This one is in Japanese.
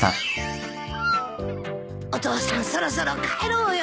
お父さんそろそろ帰ろうよ。